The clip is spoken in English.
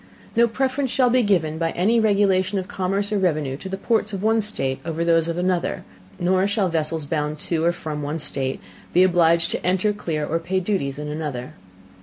No Preference shall be given by any Regulation of Commerce or Revenue to the Ports of one State over those of another: nor shall Vessels bound to, or from, one State, be obliged to enter, clear, or pay Duties in another.